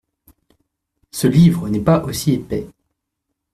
Ce livre n’est pas aussi épais.